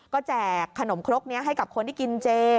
ก็แจกขนมครกนี้ให้กับคนที่กินเจ